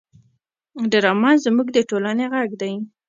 ډرامه زموږ د ټولنې غږ دی